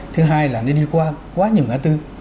thứ hai là nên đi qua quá nhiều ngã tư